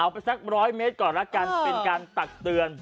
เอาไปสัก๑๐๐เมตรก่อนละกันเป็นการตักเตือน